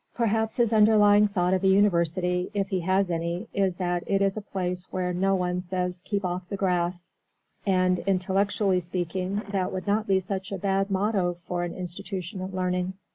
Perhaps his underlying thought of a university, if he has any, is that it is a place where no one says "Keep Off the Grass," and, intellectually speaking, that would not be such a bad motto for an institution of learning.